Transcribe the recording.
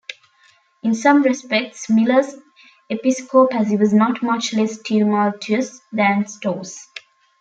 In some respects, Miller's episcopacy was not much less tumultuous than Stough's.